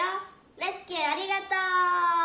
レスキューありがとう！」。